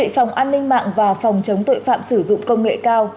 phòng an ninh mạng và phòng chống tội phạm sử dụng công nghệ cao